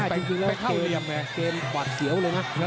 เป้นเกมกวัดเสียวเลยนะ